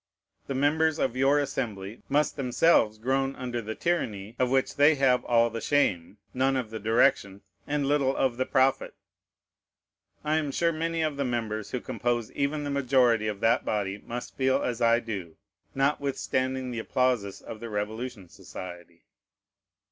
The members of your Assembly must themselves groan under the tyranny of which they have all the shame, none of the direction, and little of the profit. I am sure many of the members who compose even the majority of that body must feel as I do, notwithstanding the applauses of the Revolution Society.